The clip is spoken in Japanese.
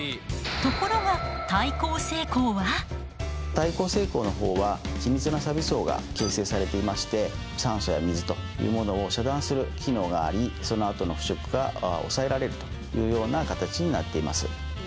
ところが耐候性鋼のほうは緻密なサビ層が形成されていまして酸素や水というものを遮断する機能がありそのあとの腐食が抑えられるというような形になっています。